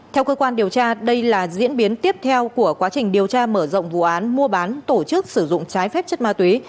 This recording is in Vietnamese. theo cơ quan điều tra đây là diễn biến tiếp theo của quá trình điều tra mở rộng vụ án mua bán tổ chức sử dụng trái phép chất ma túy